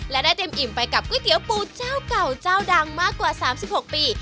และได้เต็มอิ่มไปกับก๋วยเตี๋ยวปูเจ้าเก่าเจ้าดังมากกว่า๓๖ปี